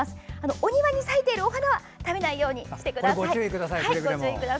お庭に咲いているお花は食べないようにしてください。